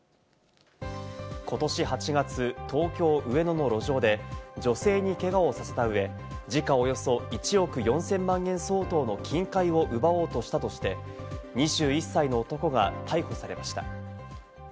ことし８月、東京・上野の路上で女性にけがをさせた上、時価およそ１億４０００万円相当の金塊を奪おうとしたとして、２１歳の男が逮捕されました。